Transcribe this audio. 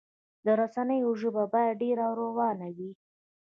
د رسنیو ژبه باید ډیره روانه وي.